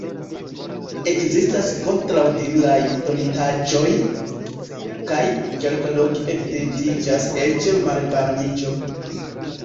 Ekzistas kontraŭdiraj donitaĵoj, kaj kelkloke evidentiĝas eĉ malvarmiĝo.